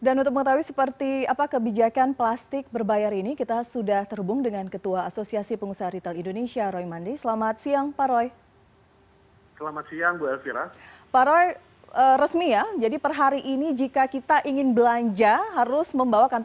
ketua umumah perindo roy mandei menjelaskan kantong plastik akan masuk di nota pembayaran